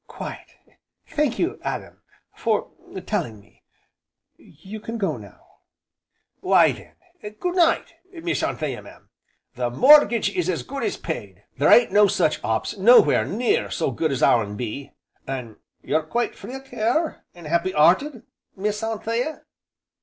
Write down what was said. "Quite! Thank you, Adam for telling me. You can go now." "Why then Good night! Miss Anthea, mam, the mortgage is as good as paid, there ain't no such 'ops nowhere near so good as our'n be. An' you're quite free o' care, an' 'appy 'earted, Miss Anthea?"